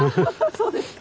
そうですか。